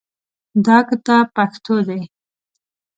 دا کتاب پښتو دی